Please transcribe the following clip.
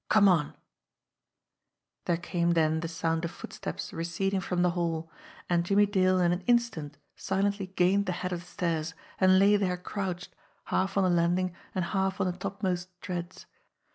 Come on !" There came then the sound of footsteps receding from the hall ; and Jimmie Dale in an instant silently gained the head of the stairs, and lay there crouched, half on the land ing and half on the topmost treads.